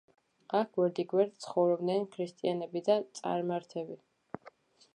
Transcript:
აქ გვერდიგვერდ ცხოვრობდნენ ქრისტიანები და წარმართები.